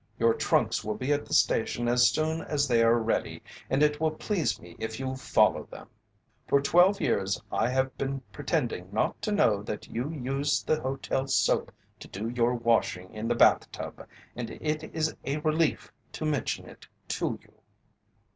Your trunks will be at the station as soon as they are ready and it will please me if you will follow them. "For twelve years I have been pretending not to know that you used the hotel soap to do your washing in the bath tub, and it is a relief to mention it to you.